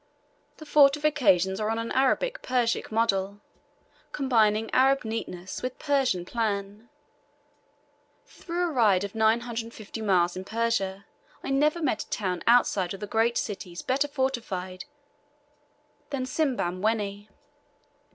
The fortifications are on an Arabic Persic model combining Arab neatness with Persian plan. Through a ride of 950 miles in Persia I never met a town outside of the great cities better fortified than Simbamwenni.